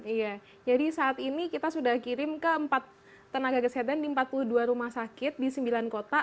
iya jadi saat ini kita sudah kirim ke empat tenaga kesehatan di empat puluh dua rumah sakit di sembilan kota